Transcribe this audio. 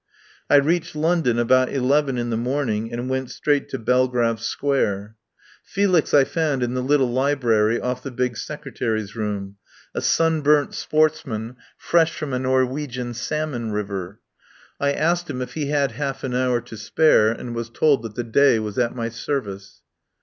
I reached London about eleven in the morn ing, and went straight to Belgrave Square. Felix I found in the little library off the big secretaries' room, a sunburnt sportsman fresh from a Norwegian salmon river. I asked him 9i THE POWER HOUSE if he had half an hour to spare, and was told that the day was at my service.